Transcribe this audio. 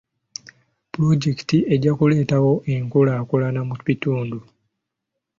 Pulojekiti ejja kuleetawo enkulaakulana mu bitundu.